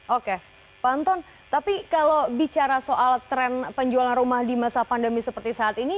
oke pak anton tapi kalau bicara soal tren penjualan rumah di masa pandemi seperti saat ini